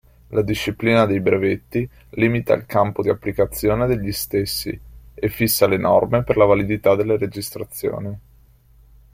La disciplina dei brevetti limita il campo di applicazione degli stessi e fissa le norme per la validità delle registrazioni.